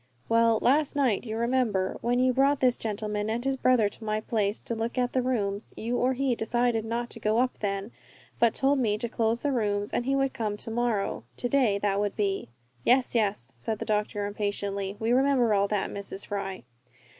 "Well, last night, you remember, when you brought this gentleman and his brother to my place to look at the rooms. You or he decided not to go up then, but told me to close the rooms, and he would come to morrow to day that would be." "Yes, yes!" said the doctor, impatiently, "we remember all that, Mrs. Fry."